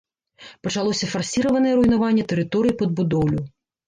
Пачалося фарсіраванае руйнаванне тэрыторыі пад будоўлю.